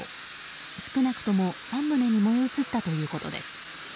少なくとも３棟に燃え移ったということです。